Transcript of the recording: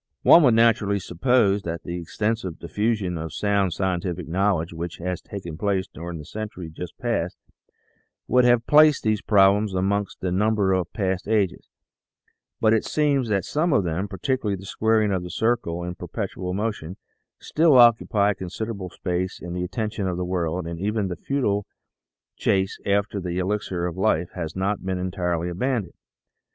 One would naturally suppose that the extensive diffusion of sound scientific knowledge which has taken place during the century just past, would have placed these problems amongst the lumber of past ages ; but it seems that some of them, particularly the squaring of the circle and per petual motion, still occupy considerable space in the atten tion of the world, and even the futile chase after the 6 THE SEVEN FOLLIES OF SCIENCE "Elixir of Life" has not been entirely abandoned.